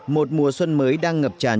một mùa xuân mới đang ngập tràn